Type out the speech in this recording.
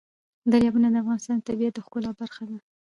دریابونه د افغانستان د طبیعت د ښکلا برخه ده.